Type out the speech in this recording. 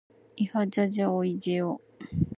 いはじゃじゃおいじぇお。